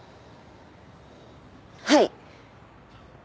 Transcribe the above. はい。